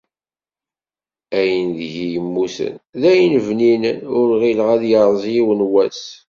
Ayen deg-i yemmuten d ayen bninen, ur ɣileɣ ad yerreẓ yiwen wass.